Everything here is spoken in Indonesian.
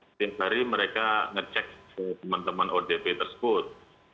setiap hari mereka ngecek teman teman odp tersebut